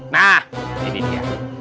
nah ini dia